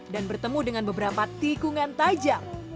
bertemu dengan beberapa tikungan tajam